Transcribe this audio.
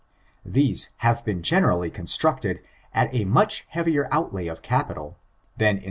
These have been general^ eon itructed at a much heavier outlay of capital, than in.